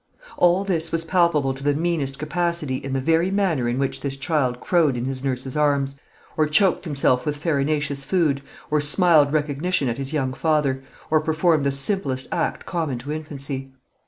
All this was palpable to the meanest capacity in the very manner in which this child crowed in his nurse's arms, or choked himself with farinaceous food, or smiled recognition at his young father, or performed the simplest act common to infancy.